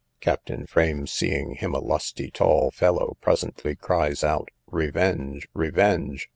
Captain Frame, seeing him a lusty tall fellow, presently cries out, revenge! revenge!